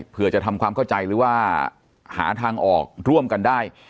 เพื่อจะทำความเข้าใจหรือว่าหาทางออกร่วมกันได้